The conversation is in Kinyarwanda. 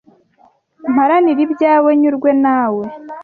Mparanire ibyawe nyurwe na we